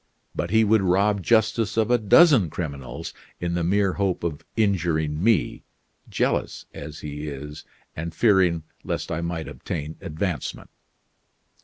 But he would rob justice of a dozen criminals in the mere hope of injuring me, jealous as he is, and fearing lest I might obtain advancement."